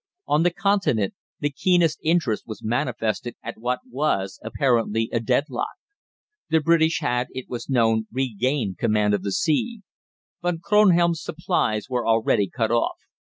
On the Continent the keenest interest was manifested at what was apparently a deadlock. The British had, it was known, regained command of the sea. Von Kronhelm's supplies were already cut off.